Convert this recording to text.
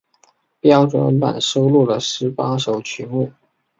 标准版收录了十八首曲目。